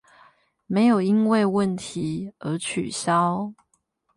沒有因為問題而取消